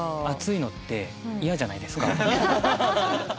熱いのって嫌じゃないですか。